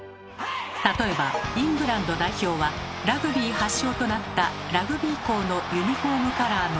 例えばイングランド代表はラグビー発祥となったラグビー校のユニフォームカラーの白。